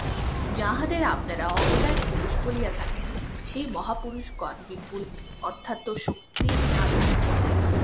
যাঁহাদের আপনারা অবতারপুরুষ বলিয়া থাকেন, সেই মহাপুরুষগণ বিপুল অধ্যাত্মশক্তির আধার।